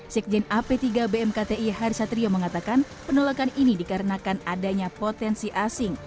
sekjen ap tiga bmkti hari satrio mengatakan penolakan ini dikarenakan adanya potensi asing